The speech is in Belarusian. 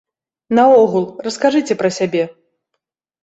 Наогул, раскажыце пра сябе.